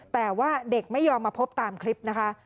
แต่ว่าเด็กไม่ยอมมาพบตามคลิปนะคะ